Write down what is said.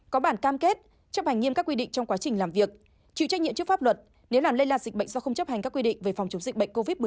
có bản cam kết chấp hành nghiêm các quy định trong quá trình làm việc chịu trách nhiệm trước pháp luật nếu làm lây lan dịch bệnh do không chấp hành các quy định về phòng chống dịch bệnh covid một mươi chín